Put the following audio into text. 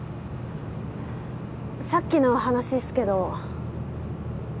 さっきの話っすけど。